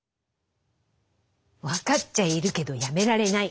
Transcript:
分かっちゃいるけどやめられない。